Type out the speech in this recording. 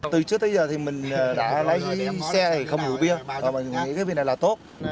từ trước tới giờ thì mình đã lái xe không dùng bia và mình nghĩ cái việc này là tốt